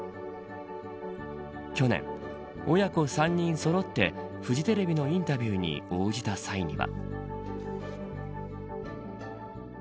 去年、親子３人そろってフジテレビのインタビューに応じた際には。